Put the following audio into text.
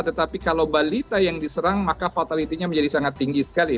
tetapi kalau balita yang diserang maka fatality nya menjadi sangat tinggi sekali